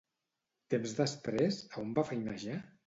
Temps després, a on va feinejar?